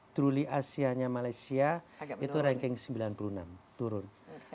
truly asia nya malaysia itu ranking sembilan puluh enam turun